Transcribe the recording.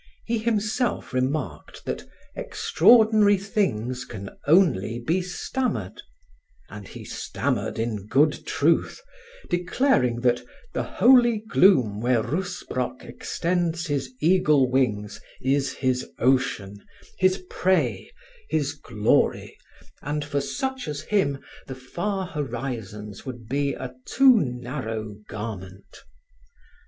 He himself remarked that "extraordinary things can only be stammered," and he stammered in good truth, declaring that "the holy gloom where Rusbrock extends his eagle wings is his ocean, his prey, his glory, and for such as him the far horizons would be a too narrow garment."